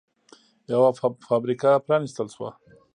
یوه فابریکه پرانېستل شوه